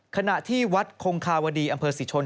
ขณะที่วัดคงคาวดีอำเภอศรีชน